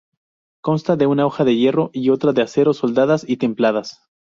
Consta de una hoja de hierro y otra de acero soldadas y templadas.